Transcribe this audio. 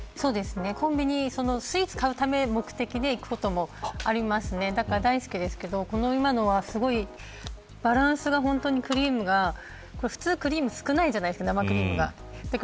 コンビニはスイーツを買う目的で行くこともありますしだから大好きですけど今のは、すごいバランスが本当にクリームが普通、クリーム少ないじゃないですか生クリームが。